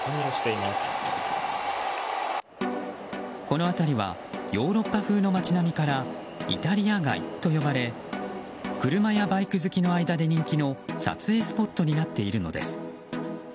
この辺りはヨーロッパ風の街並みからイタリア街と呼ばれ車やバイク好きの間で人気の撮影スポットになっているのです。